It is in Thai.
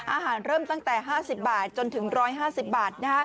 เริ่มตั้งแต่๕๐บาทจนถึง๑๕๐บาท